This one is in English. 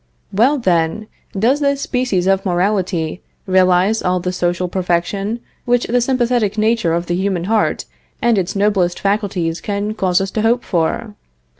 Well, then, does this species of morality realize all the social perfection which the sympathetic nature of the human heart and its noblest faculties cause us to hope for?